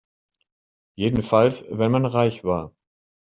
Jedenfalls wenn man reich war.